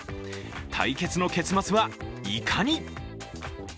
対決の結末はいかに？